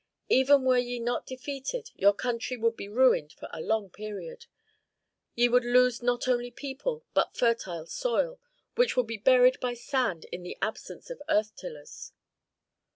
Even were ye not defeated your country would be ruined for a long period. Ye would lose not only people, but the fertile soil, which would be buried by sand in the absence of earth tillers."